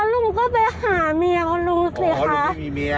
ลุงก็ไปหาเมียของลุงสิคะ